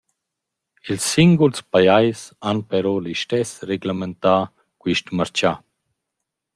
Ils singuls pajais han però listess reglamentà quist marchà.